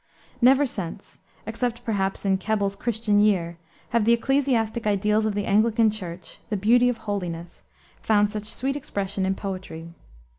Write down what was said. Never since, except, perhaps, in Keble's Christian Year, have the ecclesiastic ideals of the Anglican Church the "beauty of holiness" found such sweet expression in poetry.